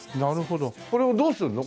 これをどうすんの？